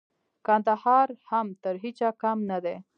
کندهار هم تر هيچا کم نه دئ.